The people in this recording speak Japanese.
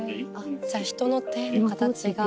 じゃ人の手の形が。